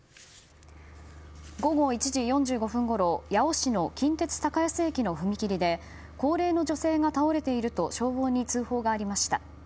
午後１時４５分ごろ八尾市の近鉄高安駅の踏切で高齢の女性が倒れていると消防に通報がありました。